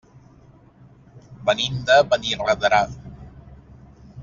Venim de Benirredrà.